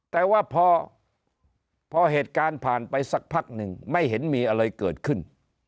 แต่ว่าพอเหตุการณ์ผ่านไปสักพักหนึ่งไม่เห็นมีอะไรเกิดขึ้น